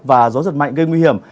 và gió giật mạnh gây nguy hiểm